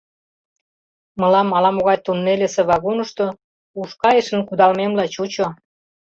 Мылам ала-могай туннельысе вагонышто ушкайышын кудалмемла чучо.